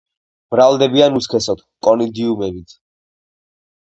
მრავლდებიან უსქესოდ, კონიდიუმებით.